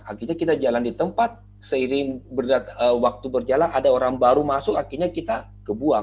akhirnya kita jalan di tempat seiring waktu berjalan ada orang baru masuk akhirnya kita kebuang